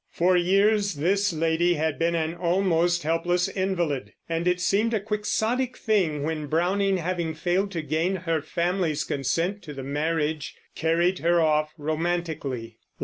For years this lady had been an almost helpless invalid, and it seemed a quixotic thing when Browning, having failed to gain her family's consent to the marriage, carried her off romantically.